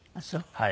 はい。